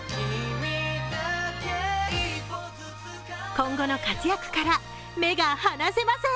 今後の活躍から目が離せません。